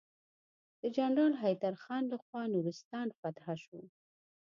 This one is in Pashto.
د جنرال حيدر خان لخوا نورستان فتحه شو.